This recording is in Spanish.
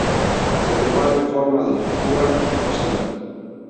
Se prepara en forma de fritura y cocida.